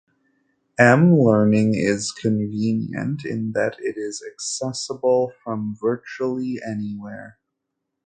M-learning is convenient in that it is accessible from virtually anywhere.